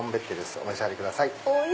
お召し上がりください。